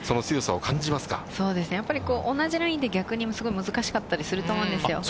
そうですね、やっぱり同じラインで逆にすごい難しかったりすると思うんですよ。